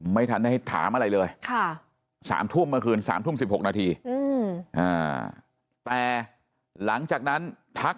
ไม่ได้ให้สามอะไรเลย๓ทุ่มนี้๓ทุ่ม๑๖นาที